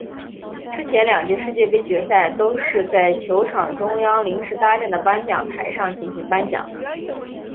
之前两届世界杯决赛都是在球场中央临时搭建的颁奖台上进行颁奖。